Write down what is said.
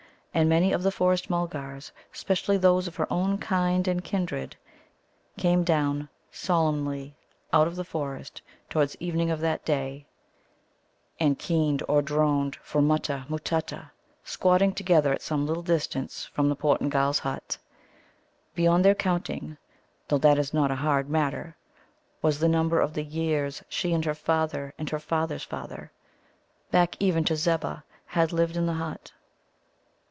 And many of the Forest mulgars, specially those of her own kind and kindred, came down solemnly out of the forest towards evening of that day, and keened or droned for Mutta matutta, squatting together at some little distance from the Portingal's hut. Beyond their counting (though that is not a hard matter) was the number of the years she and her father and her father's father, back even to Zebbah, had lived in the hut.